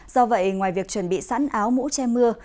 do vậy ngoài việc chuẩn bị sẵn áo mũ che mưa